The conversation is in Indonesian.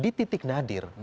dan itu di titik nadir